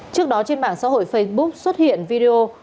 trước đó trên mạng xã hội facebook xuất hiện video